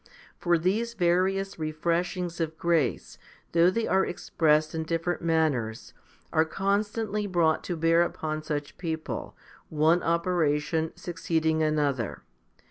For these various refreshings of grace, though they 1 i Pet. i. 8. 156 FIFTY SPIRITUAL HOMILIES are expressed in different manners, are constantly brought to bear upon such people, one operation succeeding another.